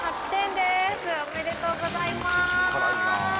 おめでとうございます。